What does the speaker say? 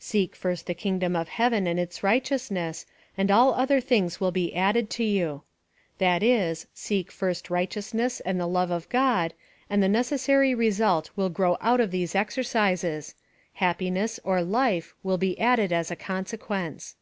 Seek first the kingdom of heaven and its righteousness ; and all other things will be added to you. That is, seek <first righteousness and the love of God, and the ne FLAN OF SALVATION. 1 45 cussary result will grew out of these exercises — happiness, or life, will be added as a consequence.